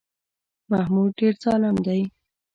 محمود ډېر ظالم دی.